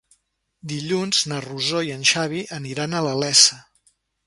Dilluns na Rosó i en Xavi aniran a la Iessa.